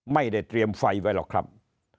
ไม่ได้เตรียมไฟไว้หรอกครับ